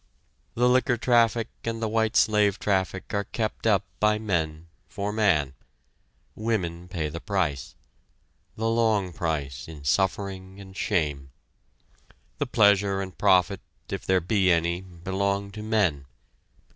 The liquor traffic and the white slave traffic are kept up by men for man women pay the price the long price in suffering and shame. The pleasure and profit if there be any belong to men.